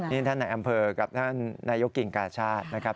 นี่ท่านในอำเภอกับท่านนายกกิ่งกาชาตินะครับ